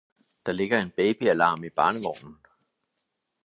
Der ligger en babyalarm i barnevognen.